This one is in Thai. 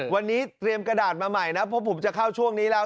วันนี้เตรียมกระดาษมาใหม่นะเพราะผมจะเข้าช่วงนี้แล้ว